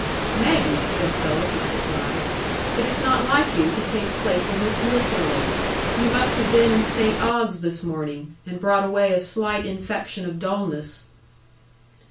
"Maggie," said Philip, with surprise, "it is not like you to take playfulness literally. You must have been in St Ogg's this morning, and brought away a slight infection of dulness."